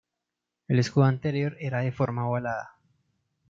El escudo anterior era de forma ovalada.